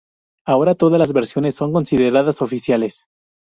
Ahora todas las versiones son consideradas "oficiales".